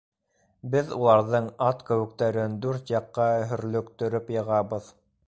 Беҙ уларҙың ат кеүектәрен дүрт яҡҡа һөрлөктөрөп йығабыҙ.